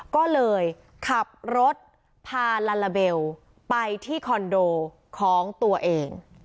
ก็เลยขับรถพาลาลาเบลไปที่คอนโดของตัวเอง